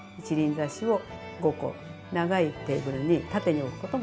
挿しを５個長いテーブルに縦に置くことも。